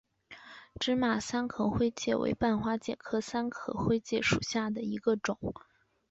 芝麻三壳灰介为半花介科三壳灰介属下的一个种。